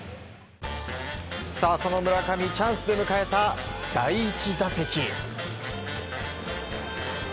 さあ、その村上チャンスで迎えた第１打席。